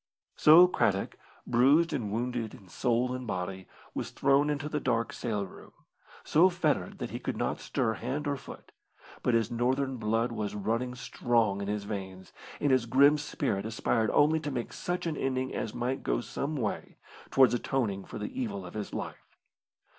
So Craddock, bruised and wounded in soul and body, was thrown into the dark sail room, so fettered that he could not stir hand or foot, but his Northern blood was running strong in his veins, and his grim spirit aspired only to make such an ending as might go some way towards atoning for the evil of his life.